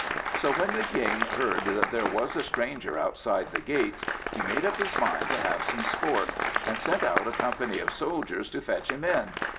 So when the king heard that there was a stranger outside the gates, he made up his mind to have some sport; and sent out a company of soldiers to fetch him in.